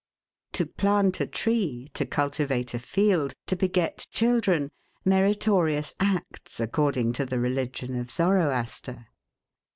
]. To plant a tree, to cultivate a field, to beget children; meritorious acts, according to the religion of Zoroaster.